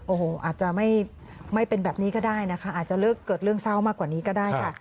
โอ้โหอาจจะไม่เป็นแบบนี้ก็ได้นะคะอาจจะเกิดเรื่องเศร้ามากกว่านี้ก็ได้ค่ะ